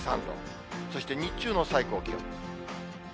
そして日中の最高気温。